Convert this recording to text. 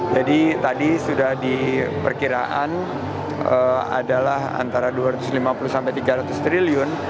jadi tadi sudah di perkiraan adalah antara dua ratus lima puluh sampai tiga ratus triliun